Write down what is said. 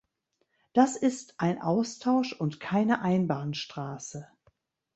Das ist ein Austausch und keine Einbahnstraße.